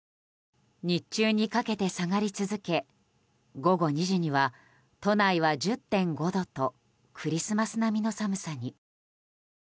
日中にかけて下がり続け午後２時には都内は１０．５度とクリスマス並みの寒さに。